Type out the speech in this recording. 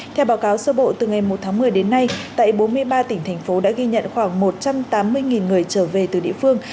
theo báo cáo sơ bộ từ ngày một tháng một mươi đến nay tại bốn mươi ba tỉnh thành phố đã ghi nhận khoảng một trăm tám mươi người trở về từ địa phương